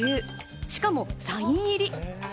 しかもサイン入り。